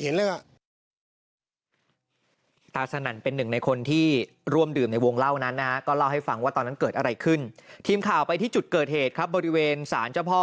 เห็นตอนที่เขา